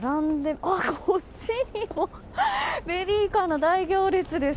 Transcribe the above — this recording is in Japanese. こっちにもベビーカーの大行列です。